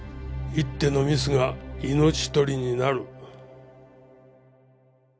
一手のミスが命取りになる。